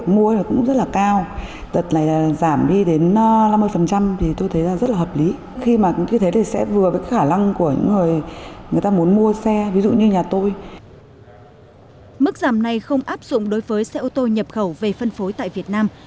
mức giảm này không áp dụng đối với xe ô tô nhập khẩu về phân phối tại việt nam